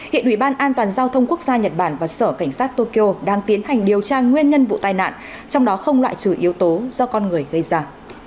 hiện uban tqn và sở cảnh sát tokyo đang tiến hành điều tra nguyên nhân vụ tai nạn trong đó không loại trừ yếu tố do con người gây ra